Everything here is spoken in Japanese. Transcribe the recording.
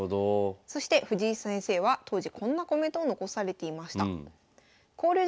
そして藤井先生は当時こんなコメントを残されていました。